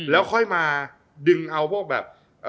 แล้วค่อยมาดึงเอาพวกแบบ